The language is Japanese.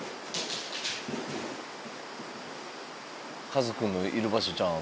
かずくんのいる場所ちゃう？